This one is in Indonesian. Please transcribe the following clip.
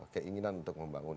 keinginan untuk membangun